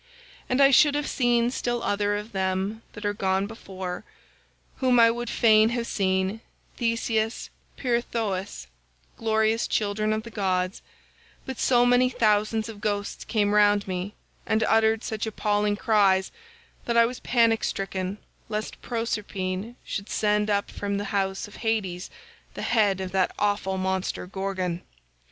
And I should have seen still other of them that are gone before, whom I would fain have seen—Theseus and Pirithous—glorious children of the gods, but so many thousands of ghosts came round me and uttered such appalling cries, that I was panic stricken lest Proserpine should send up from the house of Hades the head of that awful monster Gorgon.